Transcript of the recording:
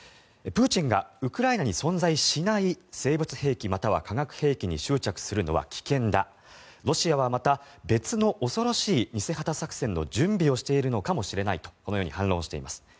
プーチンがウクライナに存在しない生物兵器または化学兵器に執着するのは危険だロシアはまた別の恐ろしい偽旗作戦の準備をしているのかもしれないとこのように反論しています。